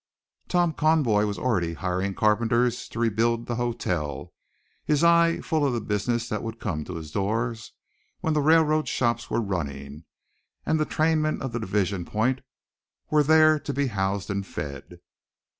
Tom Conboy was already hiring carpenters to rebuild the hotel, his eye full of the business that would come to his doors when the railroad shops were running, and the trainmen of the division point were there to be housed and fed.